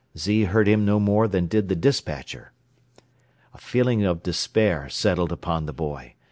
Z heard him no more than did the despatcher. A feeling of despair settled upon the boy.